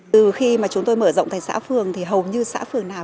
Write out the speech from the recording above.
từ khi mà chúng tôi mở rộng thành xã phường thì hầu như xã phường nào